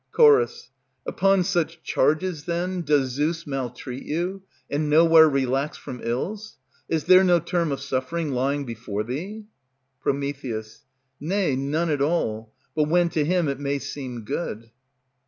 Ch. Upon such charges, then, does Zeus Maltreat you, and nowhere relax from ills? Is there no term of suffering lying before thee? Pr. Nay, none at all, but when to him it may seem good.